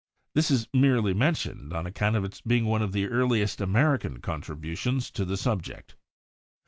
This is merely mentioned on account of its being one of the earliest American contributions to the subject.